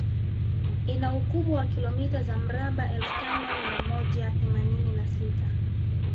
Ina ukubwa wa kilomita za mraba elfu tano mia moja themanini na sita